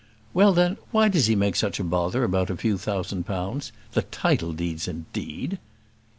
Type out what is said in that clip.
"Well, then, why does he make such a bother about a few thousand pounds? The title deeds, indeed!"